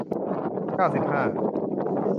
เก้าสิบห้า